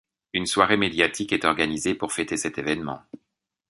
Une soirée médiatique est organisée pour fêter cet évènement.